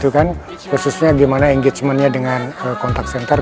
khususnya gimana engagementnya dengan kontak center